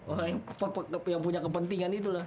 orang yang punya kepentingan itu lah